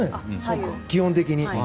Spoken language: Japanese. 基本的に。